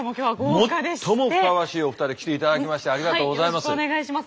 最もふさわしいお二人来ていただきましてありがとうございます。